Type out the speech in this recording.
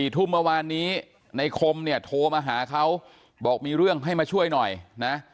ทุ่มเมื่อวานนี้ในคมเนี่ยโทรมาหาเขาบอกมีเรื่องให้มาช่วยหน่อยนะ